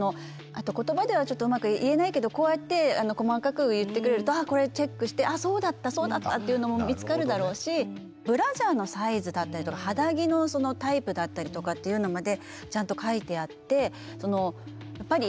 あと言葉ではちょっとうまく言えないけどこうやって細かく言ってくれるとあっこれチェックして「ああそうだったそうだった」っていうのも見つかるだろうしブラジャーのサイズだったりとか肌着のタイプだったりとかっていうのまでちゃんと書いてあってやっぱりそのね